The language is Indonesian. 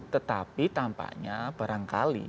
tetapi tampaknya barangkali